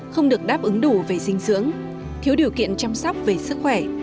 không được đáp ứng đủ về dinh dưỡng thiếu điều kiện chăm sóc về sức khỏe